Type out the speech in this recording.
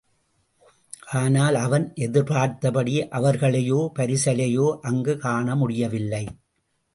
ஆனால், அவன் எதிர்பார்த்தபடி அவர்களையோ, பரிசலையோ அங்குக் காண முடியவில்லை.